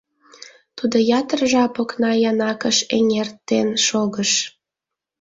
Тудо ятыр жап окна янакыш эҥертен шогыш.